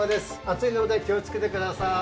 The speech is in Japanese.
熱いので気を付けてください。